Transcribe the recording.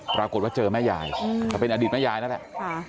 ปรากฏว่าเจอแม่ยายก็เป็นอดีตแม่ยายนั่นแหละ